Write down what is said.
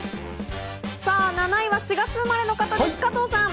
７位は４月生まれの方です、加藤さん。